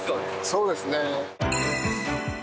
そうですね。